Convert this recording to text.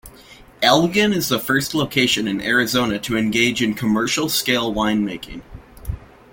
Elgin is the first location in Arizona to engage in commercial scale winemaking.